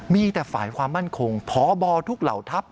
มีแต่ฝ่ายความมั่นคงพบทุกเหล่าทัพ